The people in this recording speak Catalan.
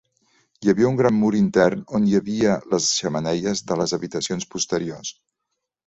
Hi havia un gran mur intern, on hi havia les xemeneies de les habitacions posteriors.